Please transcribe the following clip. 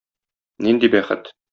Нинди бәхет!